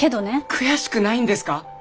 悔しくないんですか？